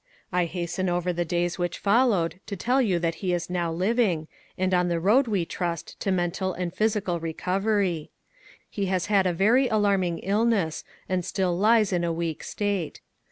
I hasten over the days which followed, to tell you that he is now living, and on the road, we trust, to mental and physical recovery. He has had a very alarming illness, and still lies in a weak state.